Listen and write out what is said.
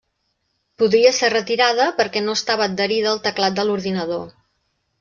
Podria ser retirada, perquè no estava adherida al teclat de l'ordinador.